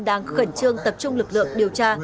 đang khẩn trương tập trung lực lượng điều tra